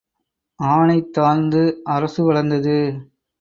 ஆனை தாழ்ந்து அரசு வளர்ந்தது.